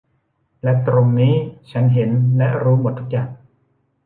และตรงนี้ฉันเห็นและรู้หมดทุกอย่าง